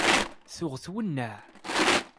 Tuɣ twennaɛ.